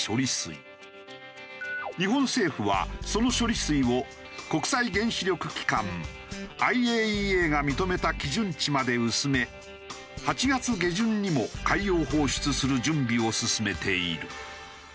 日本政府はその処理水を国際原子力機関・ＩＡＥＡが認めた基準値まで薄め８月下旬にも海洋放出する準備を進めている。